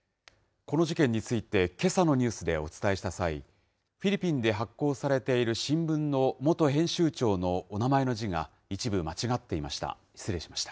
この事件についてけさのニュースでお伝えした際、フィリピンで発行されている新聞の元編集長のお名前の字が、一部間違っていました。